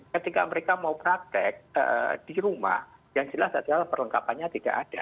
ketika mereka mau praktek di rumah yang jelas adalah perlengkapannya tidak ada